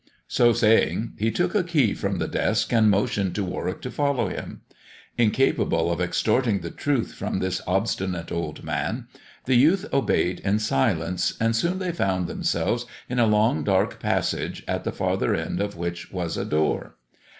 So saying, he took a key from the desk and motioned to Warwick to follow him. Incapable of extorting the truth from this obstinate old man, the youth obeyed in silence, and soon they found themselves in a long, dark passage, at the farther end of which was a door.